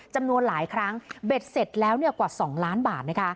จำนวนหลายครั้งเบ็ดเสร็จแล้วกว่า๒ล้านบาท